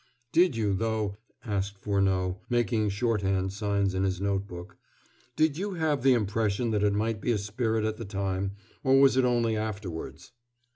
"Did you, though," asked Furneaux, making shorthand signs in his notebook, "did you have the impression that it might be a spirit at the time, or was it only afterwards?"